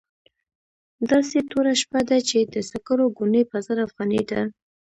داسې توره شپه ده چې د سکرو ګونۍ په زر افغانۍ ده.